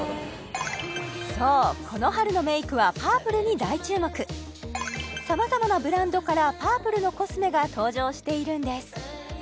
そうこの春のメイクはパープルに大注目さまざまなブランドからパープルのコスメが登場しているんです＠